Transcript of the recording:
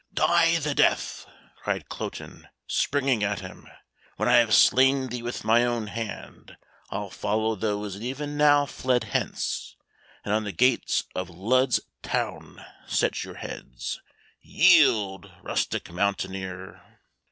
"Die the death!" cried Cloten, springing at him. "When I have slain thee with my own hand, I'll follow those that even now fled hence, and on the gates of Lud's town set your heads. Yield, rustic mountaineer."